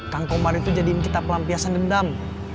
kang komar itu jadi kita pelampiasan dendam